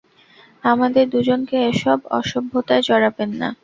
আমাদের দুজনকে এসব অসভ্যতায় জড়াবেন না।